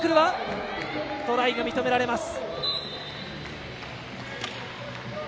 トライが認められます。